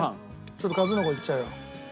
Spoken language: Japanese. ちょっとカズノコいっちゃうよ。